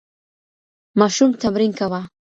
ماشوم تمرین کاوه.